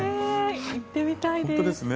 行ってみたいです。